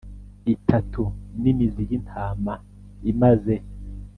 Itatu n im zi y intama imaze